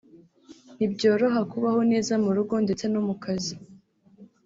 ntibyoroha kubaho neza mu rugo ndetse no mu kazi